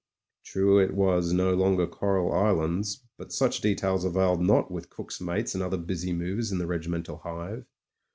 True it was no longer coral islands — but such details availed not with cook's mates and other busy movers in the regimental hive.